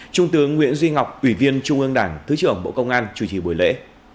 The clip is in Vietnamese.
trung tướng nguyễn duy ngọc ủy viên trung ương đảng thứ trưởng bộ công an chủ trì buổi lễ